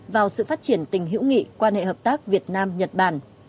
vào sự phát triển tình hữu nghị quan hệ hợp tác việt nam nhật bản